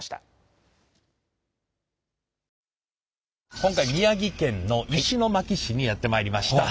今回は宮城県の石巻市にやって参りました。